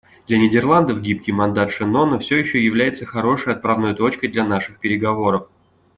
Для Нидерландов гибкий мандат Шеннона все еще является хорошей отправной точкой для наших переговоров.